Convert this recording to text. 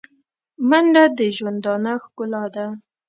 منډه د ژوندانه ښکلا ده